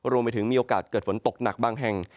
รวมไปถึงมีโอกาสเกิดฝนตกหนักบางแห่ง